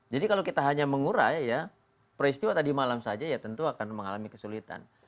jadi kalau kita hanya mengurai peristiwa tadi malam saja tentu akan mengalami kesulitan